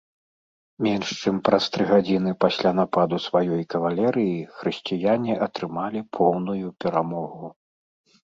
Менш чым праз тры гадзіны пасля нападу сваёй кавалерыі хрысціяне атрымалі поўную перамогу.